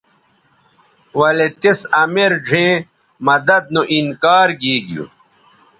ولے تِس امیر ڙھیئں مدد نو انکار گیگیو